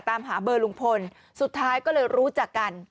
ตามหาเบอร์ลุงพลสุดท้ายก็เลยรู้จักกัน